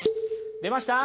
出ました？